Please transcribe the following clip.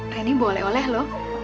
reni boleh oleh loh